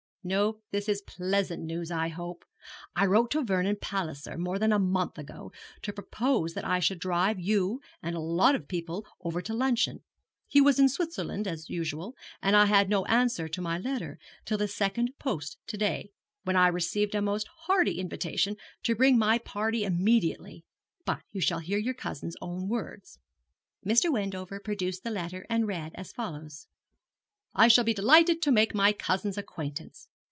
'No, this is pleasant news I hope. I wrote to Vernon Palliser more than a month ago to propose that I should drive you and a lot of people over to luncheon. He was in Switzerland, as usual, and I had no answer to my letter till the second post to day, when I received a most hearty invitation to bring my party immediately. But you shall hear your cousin's own words.' Mr. Wendover produced the letter and read as follows: 'I shall be delighted to make my cousin's acquaintance.